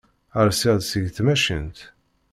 Rseɣ-d seg tmacint.